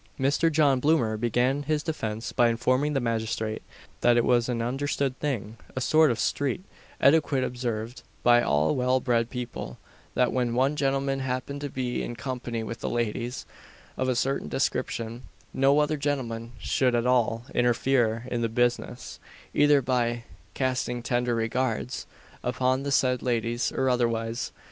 Mr. John Bloomer began his defence by informing the magistrate, that it was an understood thing a sort of street etiquette observed by all well bred people that when one gentleman happened to be in company with ladies of a certain description, no other gentleman should at all interfere in the business; either by "casting tender regards" upon the said ladies, or otherwise.